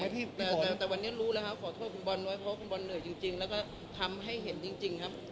แต่วันนี้รู้แล้วครับขอโทษคุณบอลไว้เพราะคุณบอลเหนื่อยจริงแล้วก็ทำให้เห็นจริงครับ